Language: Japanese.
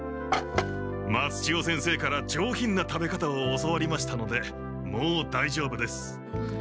松千代先生から上品な食べ方を教わりましたのでもうだいじょうぶです。